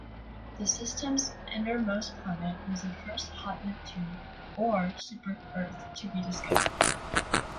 The system's innermost planet was the first 'hot Neptune' or 'super-Earth' to be discovered.